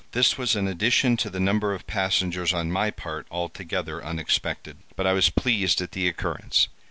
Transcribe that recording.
This was an addition to the number of passengers on my part altogether unexpected; but I was pleased at the occurrence.